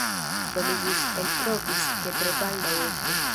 Do mi ĵus eltrovis ke tre baldaŭ estos